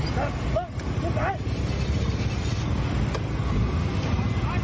สวัสดีครับสวัสดีครับ